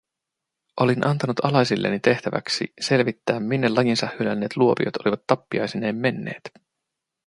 Olin antanut alaisilleni tehtäväksi selvittää, minne lajinsa hylänneet luopiot olivat tappiaisineen menneet.